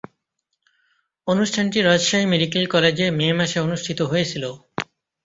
অনুষ্ঠানটি রাজশাহী মেডিকেল কলেজে মে মাসে অনুষ্ঠিত হয়েছিলো।